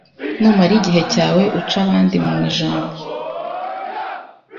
Numara igihe cyawe uca abandi mu ijambo,